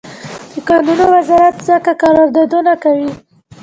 د کانونو وزارت څنګه قراردادونه کوي؟